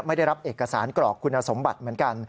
ไม่ได้รับเอกสารกรอกคุณสมบัติเหมือนกัน